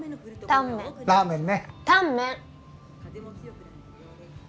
タンメン！